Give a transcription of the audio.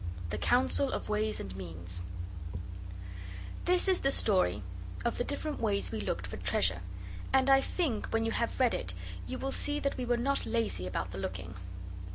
THE COUNCIL OF WAYS AND MEANS This is the story of the different ways we looked for treasure, and I think when you have read it you will see that we were not lazy about the looking.